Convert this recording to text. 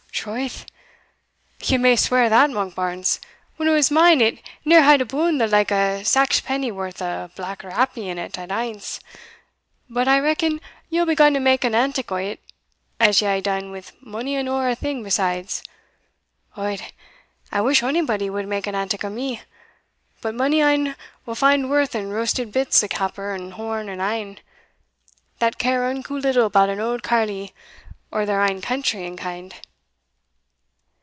"Troth, ye may swear that, Monkbarns: when it was mine it neer had abune the like o' saxpenny worth o' black rappee in't at ance. But I reckon ye'll be gaun to mak an antic o't, as ye hae dune wi' mony an orra thing besides. Od, I wish anybody wad mak an antic o' me; but mony ane will find worth in rousted bits o' capper and horn and airn, that care unco little about an auld carle o' their ain country and kind."